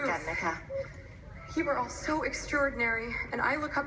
แนดาลีอิซาเฟลแนรัลรูฟ